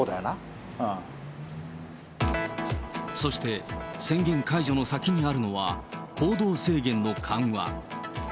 そして、宣言解除の先にあるのは行動制限の緩和。